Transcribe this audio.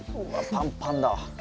パンパンだわ。